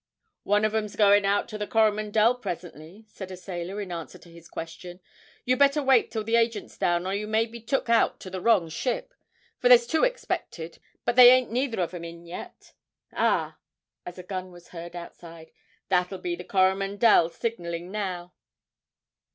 'One of 'em's a goin' out to the "Coromandel" presently,' said a sailor in answer to his question; 'you'd better wait till the agent's down, or you may be took out to the wrong ship for there's two expected, but they ain't neither of 'em in yet. Ah!' as a gun was heard outside, 'that'll be the "Coromandel" signallin' now.'